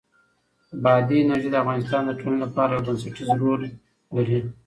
بادي انرژي د افغانستان د ټولنې لپاره یو بنسټيز رول لري.